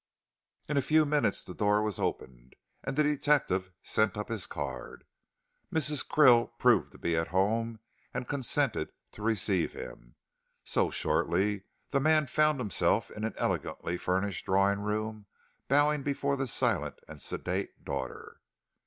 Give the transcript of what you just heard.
In a few minutes the door was opened and the detective sent up his card. Mrs. Krill proved to be at home and consented to receive him, so, shortly, the man found himself in an elegantly furnished drawing room bowing before the silent and sedate daughter.